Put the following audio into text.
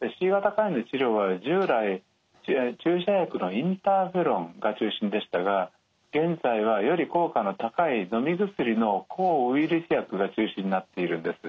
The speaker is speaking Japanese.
Ｃ型肝炎の治療は従来注射薬のインターフェロンが中心でしたが現在はより効果の高いのみ薬の抗ウイルス薬が中心になっているんです。